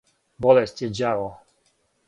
Болест је ђаво.